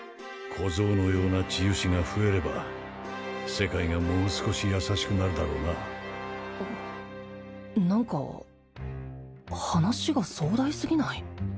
小僧のような治癒士が増えれば世界がもう少し優しくなるだろうな何か話が壮大すぎない？